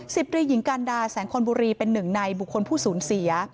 ตรีหญิงการดาแสงคอนบุรีเป็นหนึ่งในบุคคลผู้สูญเสีย